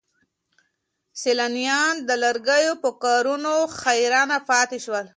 سیلانیان د لرګیو په کارونو حیران پاتې شول.